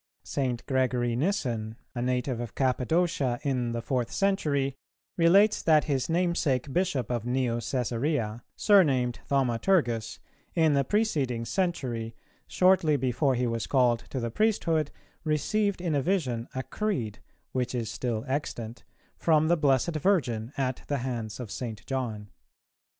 St. Gregory Nyssen, a native of Cappadocia in the fourth century, relates that his name sake Bishop of Neo cæsarea, surnamed Thaumaturgus, in the preceding century, shortly before he was called to the priesthood, received in a vision a Creed, which is still extant, from the Blessed Virgin at the hands of St. John.